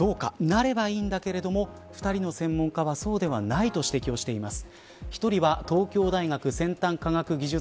なればいいんだけれども２人の専門家はそうではないと指摘します。